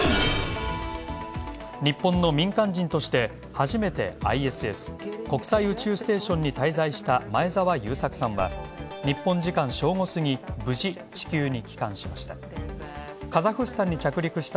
日本の民間人として初めてＩＳＳ＝国際宇宙ステーションに滞在した前澤友作さんは日本時間正午すぎ、無事地球に帰還しました。